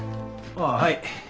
ああはい。